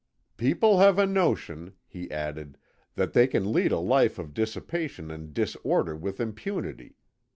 "People have a notion," he added, "that they can lead a life of dissipation and disorder with impunity.